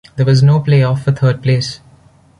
There was no playoff for third place.